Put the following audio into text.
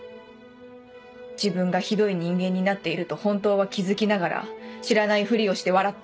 自分がひどい人間になっていると本当は気付きながら知らないフリをして笑った。